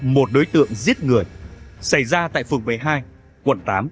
một đối tượng giết người xảy ra tại phường một mươi hai quận tám